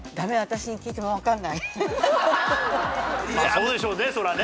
そうでしょうねそらね。